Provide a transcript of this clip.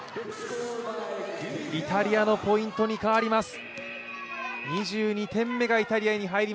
イタリアのポイントに変わります。